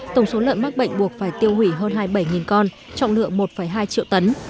tổng số lợn mắc bệnh buộc phải tiêu hủy hơn hai mươi bảy con trọng lượng một hai triệu tấn